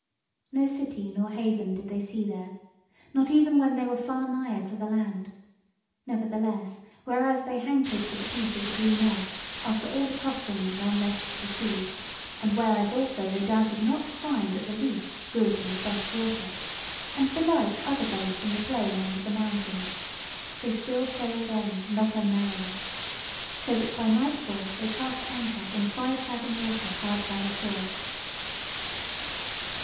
No city nor haven did they see there, not even when they were far nigher to the land; nevertheless, whereas they hankered for the peace of the green earth after all the tossing and unrest of the sea, and whereas also they doubted not to find at the least good and fresh water, and belike other bait in the plain under the mountains, they still sailed on not unmerrily; so that by nightfall they cast anchor in five fathom water hard by the shore.